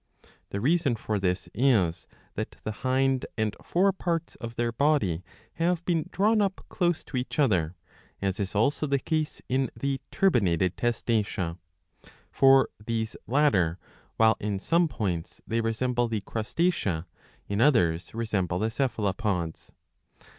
The reason for this is that the hind and fore parts of their body have been drawn up close to each other, ^ as is also the case in the turbinated Testacea. For these latter, while in some points they resemble the Crustacea, in others resemble the Cephalopods.